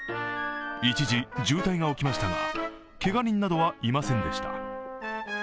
一時渋滞が起きましたが、けが人などはいませんでした。